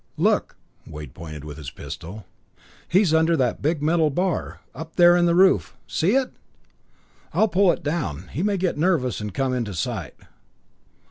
"Look," Wade pointed with his pistol, "he's under that big metal bar up there in the roof see it? I'll pull it down; he may get nervous and come into sight."